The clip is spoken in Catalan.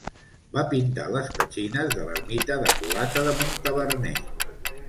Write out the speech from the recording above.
Va pintar les petxines de l'ermita de Colata de Montaverner.